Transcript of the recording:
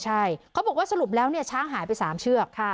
ใช่เขาบอกว่าสรุปแล้วเนี่ยช้างหายไป๓เชือก